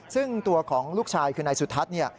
ซึ่งตัวของลูกชายคือในสุทัศน์